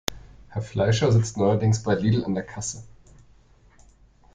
Herr Fleischer sitzt neuerdings bei Lidl an der Kasse.